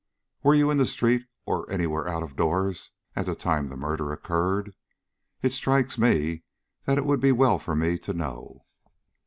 "Were you in the street, or anywhere out of doors at the time the murder occurred? It strikes me that it would be well for me to know."